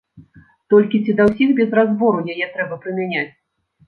Толькі ці да ўсіх без разбору яе трэба прымяняць?